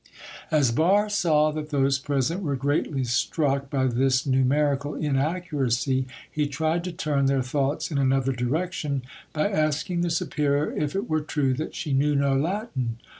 As Barre saw that those present were greatly struck, by this numerical inaccuracy, he tried to turn their thoughts in another direction by asking the superior if it were true that she knew no Latin.